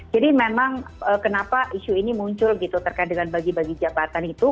memang kenapa isu ini muncul gitu terkait dengan bagi bagi jabatan itu